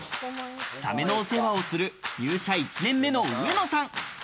サメのお世話をする入社１年目の上野さん。